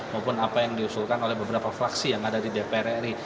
maupun apa yang diusulkan oleh beberapa fraksi yang ada di dpr ri